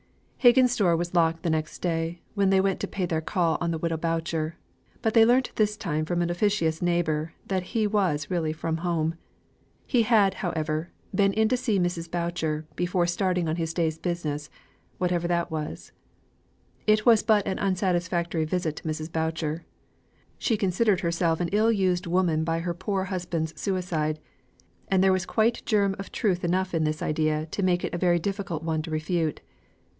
Higgins's door was locked the next day, when they went to pay their call on the widow Boucher: but they learnt this time from an officious neighbour, that he was really from home. He had, however, been in to see Mrs. Boucher, before starting on his day's business, whatever that was. It was but an unsatisfactory visit to Mrs. Boucher; she considered herself an ill used woman by her poor husband's suicide; and there was quite germ of truth enough in this idea to make it a very difficult one to refute.